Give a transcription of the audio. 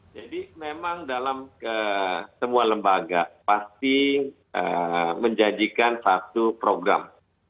jadi memang dalam semua lembaga pasti menjadikan satu program